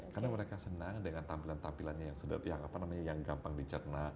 karena mereka senang dengan tampilan tampilannya yang gampang dicat